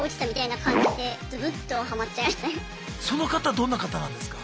その方どんな方なんですか？